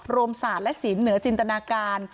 ศาสตร์และศีลเหนือจินตนาการ